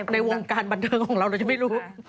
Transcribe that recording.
ในวงการบันเทิงของเราเราจะไม่รู้